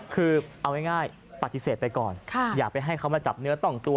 คือเอาง่ายปฏิเสธไปก่อนอย่าไปให้เขามาจับเนื้อต้องตัว